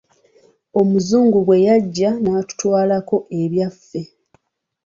Omuzungu bwe yajja n'atutwalako ebyaffe.